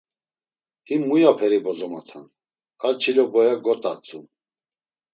Him muyaperi bozomota’n, ar çilo boya got̆atzun.